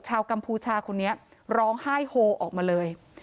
กัมพูชาคนนี้ร้องไห้โฮออกมาเลย